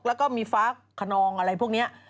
แล้วก็มีฟ้าขนองอะไรพวกนี้